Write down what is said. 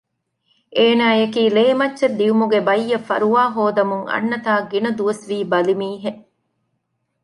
އޭނާއަކީ ލޭމައްޗަށް ދިއުމުގެ ބައްޔަށް ފަރުވާހޯދަމުން އަންނަތާ ގިނަ ދުވަސްވީ ބަލިމީހެއް